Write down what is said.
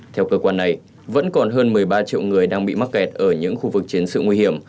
theo cơ quan này vẫn còn hơn một mươi ba triệu người đang bị mắc kẹt ở những khu vực chiến sự nguy hiểm